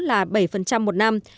là bảy một năm